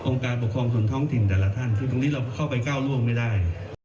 การปกครองส่วนท้องถิ่นแต่ละท่านคือตรงนี้เราเข้าไปก้าวร่วงไม่ได้